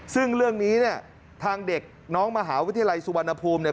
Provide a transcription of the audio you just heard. ซึ่งเรื่องนี้ทางเด็กน้องมหาวิทยาลัยสุวรรณภูมิ